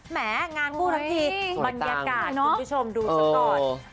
แหมงานคู่ทั้งทีบรรยากาศคุณผู้ชมดูซะก่อน